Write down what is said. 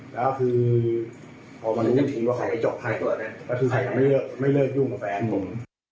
ก็คือใครก็ไม่เลิกยุ่งกับแฟนผม